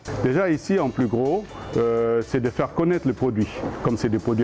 sebenarnya di sini yang paling besar adalah membuat mereka mengenali produk